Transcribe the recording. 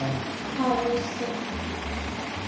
はいおいしそう。